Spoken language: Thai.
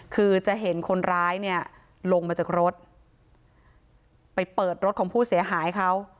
คือจะเห็นคนร้ายเนี่ยลงมาจากรถไปเปิดรถของผู้เสียหายเขา